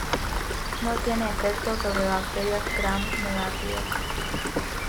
No tiene efecto sobre bacterias gram-negativas.